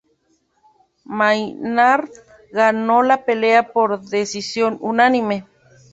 Maynard ganó la pelea por decisión unánime.